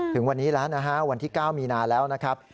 ถึงวันนี้แล้วนะฮะวันที่๙มีนาแล้วนะครับ